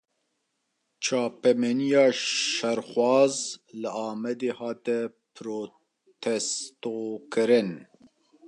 Çapemeniya şerxwaz, li Amedê hate protestokirin